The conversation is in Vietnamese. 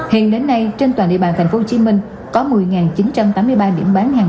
hiện đến nay trên toàn địa bàn tp hcm có một mươi chín trăm tám mươi ba điểm bán hàng